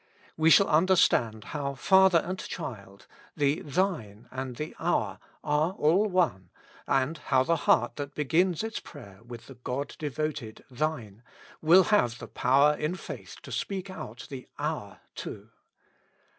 We shall understand how Father and child, the Thine and the Our, are all one, and how the heart that begins its prayer with the 37 With Christ in the School of Prayer. God devoted Thine, will have the power in faith to speak out the Our, too.